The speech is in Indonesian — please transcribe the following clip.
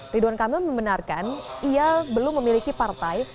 ridwan kamil membenarkan ia belum memiliki partai